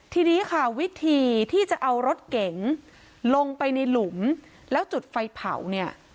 ทีนี้ค่ะวิธีที่จะเอารถเก๋งลงไปในหลุมแล้วจุดไฟเผาเนี่ย